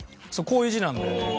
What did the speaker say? こういう字なんだよね。